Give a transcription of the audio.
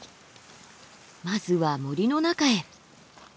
まずは森の中へ。